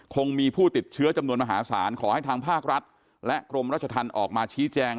คงมีผู้ติดเชื้อจำนวนมหาศาลขอให้ทางภาครัฐและกรมราชธรรมออกมาชี้แจง